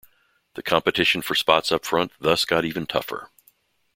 The competition for spots up front thus got even tougher.